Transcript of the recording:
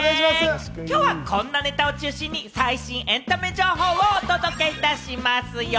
きょうは、こんなネタを中心に最新エンタメ情報をお届けいたしますよ。